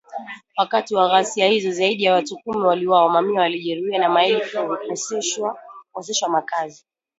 Wakati wa ghasia hizo, zaidi ya watu kumi waliuawa, mamia walijeruhiwa na maelfu kukoseshwa makazi